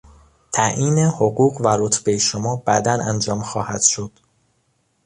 تعیین حقوق و رتبهی شما بعدا انجام خواهد شد.